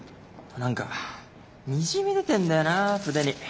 何かにじみ出てんだよな筆に。